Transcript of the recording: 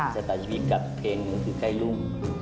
ชะตาชีวิตกับเพลงคือไข้รุ่ง